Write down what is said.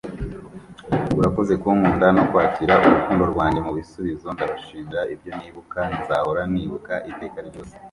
urakoze kunkunda no kwakira urukundo rwanjye mubisubize ndabashimira ibyo nibuka nzahora nibuka iteka ryose